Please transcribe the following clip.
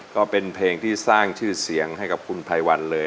ก็เป็นเพลงที่สร้างชื่อเสียงให้กับคุณไพรวันเลย